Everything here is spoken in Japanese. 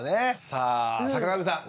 さあ坂上さん。